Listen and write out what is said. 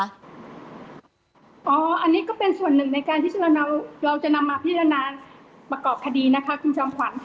อันนี้ก็เป็นส่วนหนึ่งในการที่เราจะนำมาพิจารณาประกอบคดีนะคะคุณจอมขวัญ